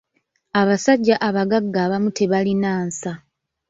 Abasajja abagagga abamu tebalina nsa.